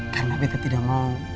karena kita tidak mau